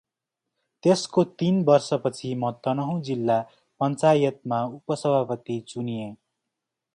त्यसको तनि वर्षपछि म तनहुँ जिल्ला पञ्चायतमा उपसभापति चुनिएँ ।